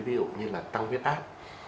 ví dụ như là tăng viết ác